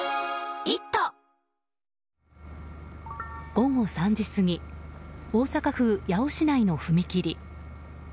午後３時過ぎ大阪府八尾市内の踏切。